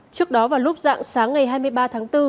trước đó vào lúc dạng sáng ngày hai mươi ba tháng bốn